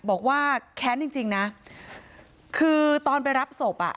บอกว่าแค้นจริงจริงนะคือตอนไปรับศพอ่ะ